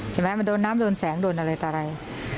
ใช่ไหมมันโดนน้ำโดนแสงโดนอะไรต่ออะไร